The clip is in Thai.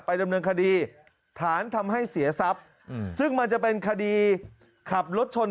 ดำเนินคดีฐานทำให้เสียทรัพย์ซึ่งมันจะเป็นคดีขับรถชน